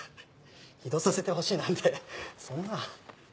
異動させてほしいなんてそんな。